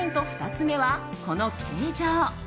２つ目はこの形状。